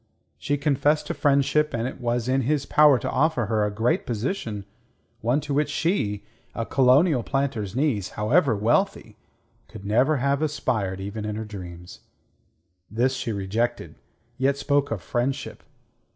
She confessed to friendship, and it was in his power to offer her a great position, one to which she, a colonial planter's niece, however wealthy, could never have aspired even in her dreams. This she rejected, yet spoke of friendship.